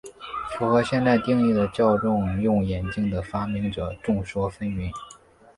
符合现代定义的矫正用眼镜的发明者众说纷纭。